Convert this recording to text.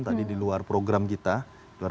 tadi di luar program kita